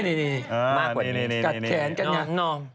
มากกว่านี้กัดแขนกันอย่างน้องเนี่ย